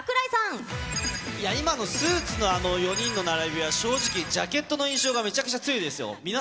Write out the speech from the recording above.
今のスーツのあの４人の並びは、正直、ジャケットの印象がめちゃくちゃ強いですよ。